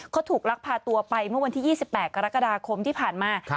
เขาถูกลักพาตัวไปเมื่อวันที่๒๘กรกฎาคมที่ผ่านมา